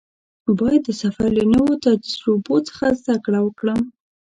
باید د سفر له نویو تجربو څخه زده کړه وکړم.